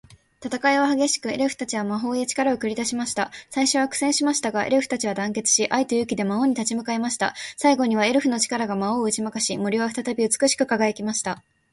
戦いは激しく、エルフたちは魔法や力を繰り出しました。最初は苦戦しましたが、エルフたちは団結し、愛と勇気で魔王に立ち向かいました。最後には、エルフの力が魔王を打ち負かし、森は再び美しく輝きました。